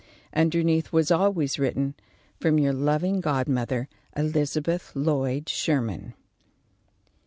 Underneath was always written: "From your loving godmother, Elizabeth Lloyd Sherman."